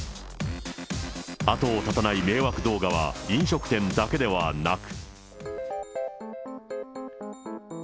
後を絶たない迷惑動画は、飲食店だけではなく。